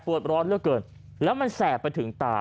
ปวดร้อนเรื่อยเกินแล้วมันแสบไปถึงตา